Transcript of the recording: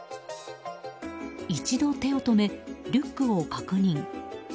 一度、手を止めリュックを確認。